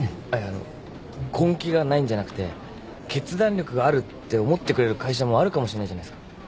あっいやあの根気がないんじゃなくて決断力があるって思ってくれる会社もあるかもしれないじゃないすか。